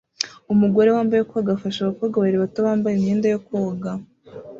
Umugore wambaye koga afashe abakobwa babiri bato bambaye imyenda yo koga